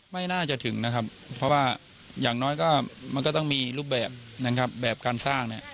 ไม่น่าจะถึงนะครับเพราะว่าอย่างน้อยก็มันก็ต้องมีรูปแบบนะครับแบบการสร้างเนี่ย